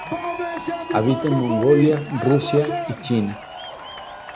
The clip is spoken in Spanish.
Habita en Mongolia, Rusia y China.